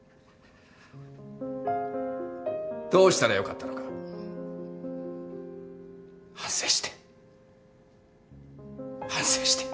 どうしたらよかったのか反省して反省して。